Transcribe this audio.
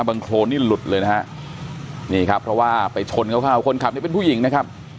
โครนนี่หลุดเลยนะฮะนี่ครับเพราะว่าไปชนเข้าคนขับเนี่ยเป็นผู้หญิงนะครับ